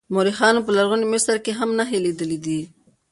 مورخانو په لرغوني مصر کې هم نښې لیدلې دي.